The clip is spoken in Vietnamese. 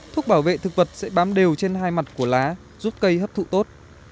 thuốc bảo vệ thực vật sẽ bám đều trên hai mặt của lá giúp cây hấp thụ tốt